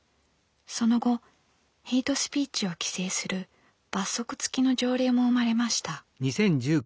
その後ヘイトスピーチを規制する罰則付きの条例も生まれました。